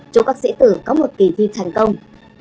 chúc các sĩ tử có một kỳ thi thành công